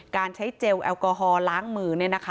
การใช้เจลแอลกอฮอลล้างมือ